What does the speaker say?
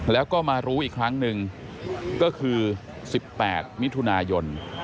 แล้วก็มารู้อีกครั้งหนึ่งก็คือ๑๘มิถุนายน